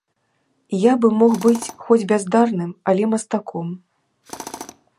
А бы мог быць хоць бяздарным, але мастаком.